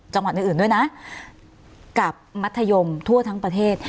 จังหวัดนึงด้วยเท่หล่ะกับมัธยมทั่วทั้งประเทศ